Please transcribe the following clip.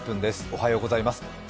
おはようございます。